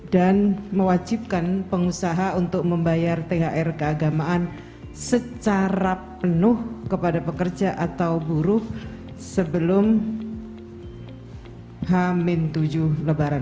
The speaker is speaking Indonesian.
dan mewajibkan pengusaha untuk membayar thr keagamaan secara penuh kepada pekerja atau buruh sebelum h tujuh lebaran